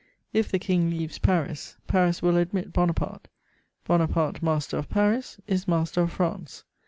If the King leaves Paris, Paris will admit Bonaparte; Bonaparte master of Paris is master of France.